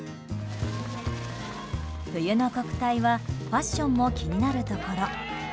冬の国体はファッションも気になるところ。